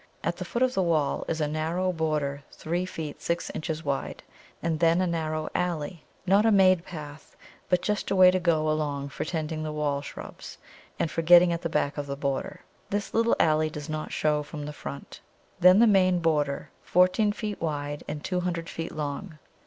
At the foot of the wall is a narrow border three feet six inches wide, and then a narrow alley, not a made path, but just a way to go along for tending the wall shrubs, and for getting at the back of the border. This little alley does not show from the front. Then the main border, fourteen feet wide and two hundred feet long.